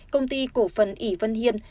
công ty cổ phần ỉ vân hiên